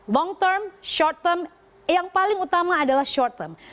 long term short term yang paling utama adalah short term